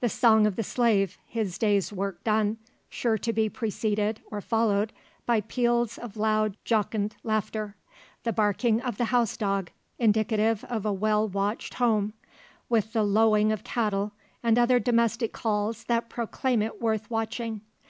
The song of the slave, his day's work done, sure to be preceded, or followed, by peals of loud jocund laughter; the barking of the house dog, indicative of a well watched home; with the lowing of cattle, and other domestic calls that proclaim it worth watching.